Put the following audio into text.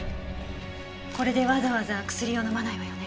これでわざわざ薬を飲まないわよね。